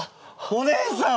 お姉さん！